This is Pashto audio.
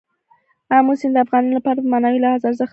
آمو سیند د افغانانو لپاره په معنوي لحاظ ارزښت لري.